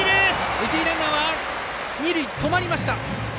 一塁ランナー、二塁で止まります。